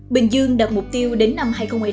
bình dương đặt mục tiêu đến năm hai nghìn hai mươi năm